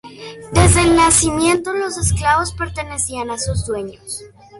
Desde su nacimiento, los esclavos pertenecían a sus dueños.